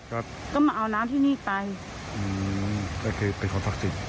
ครับก็มาเอาน้ำที่นี้ไปอืมมันมีความศักดิ์สิทธิ์